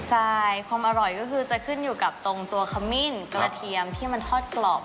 ใช่ความอร่อยก็คือจะขึ้นอยู่กับตรงตัวขมิ้นกระเทียมที่มันทอดกรอบ